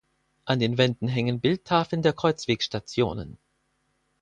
An den Wänden hängen Bildtafeln der Kreuzwegstationen.